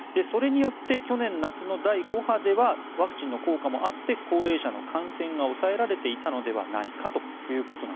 それによって去年夏の第５波ではワクチンの効果もあって高齢者の感染が抑えられていたのではないかと。